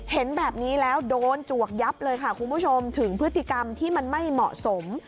เห็นแบบนี้แล้วโดนจวกยับเลยค่ะคุณผู้ชมถึงพฤติกรรมที่มันไม่เหมาะสม